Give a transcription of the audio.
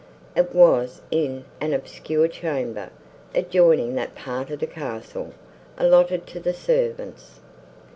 It was in an obscure chamber, adjoining that part of the castle, allotted to the servants.